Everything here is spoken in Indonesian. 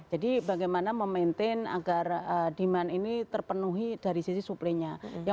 jadi bagaimana memaintain agar demand ini terpenuhi dari sisi supply nya